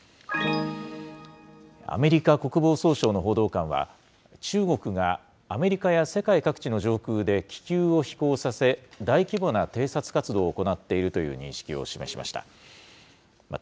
アメリカ国防総省の報道官は、中国がアメリカや世界各地の上空で気球を飛行させ、大規模な偵察活動を行っているという認識を示しました。